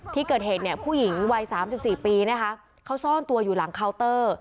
ที่เกิดเหตุเนี่ยผู้หญิงวัย๓๔ปีนะคะเขาซ่อนตัวอยู่หลังเคาน์เตอร์